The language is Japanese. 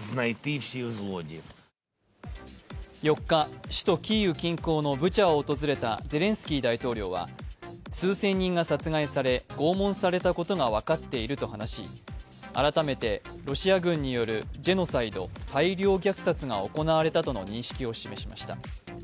４日、首都キーウ近郊のブチャを訪れたゼレンスキー大統領は、数千人が殺害され拷問されたことが分かっていると話し、改めてロシア軍によるジェノサイド＝大量虐殺が行われたとの認識を示しました。